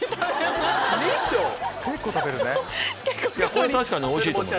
これは確かにおいしいと思う。